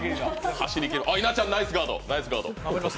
稲ちゃん、ナイスガード。